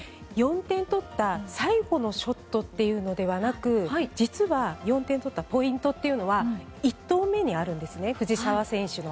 ４点取った最後のショットというのではなく実は４点取ったポイントというのは藤澤選手の１投目にあるんですね。